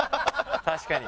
確かに。